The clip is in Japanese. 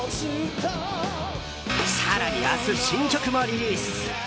更に明日、新曲もリリース。